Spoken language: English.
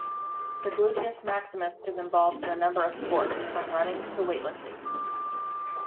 The gluteus maximus is involved in a number of sports, from running to weight-lifting.